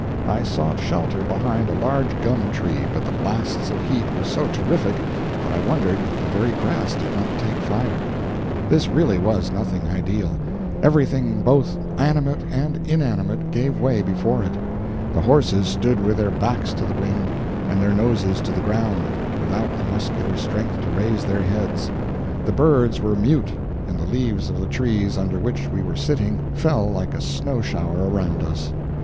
I sought shelter behind a large gum tree, but the blasts of heat were so terrific that I wondered the very grass did not take fire. This really was nothing ideal: everything both animate and inanimate gave way before it; the horses stood with their backs to the wind and their noses to the ground, without the muscular strength to raise their heads; the birds were mute, and the leaves of the trees under which we were sitting fell like a snow shower around us.